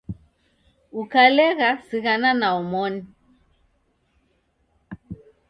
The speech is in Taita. Ukalegha sighana na omoni